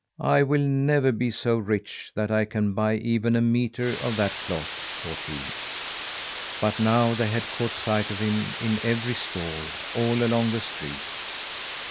"I will never be so rich that I can buy even a metre of that cloth," thought he. But now they had caught sight of him in every stall, all along the street.